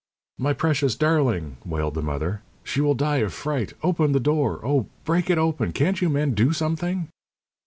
"My precious darling!" wailed the mother. "She will die of fright! Open the door! Oh, break it open! Can't you men do something?"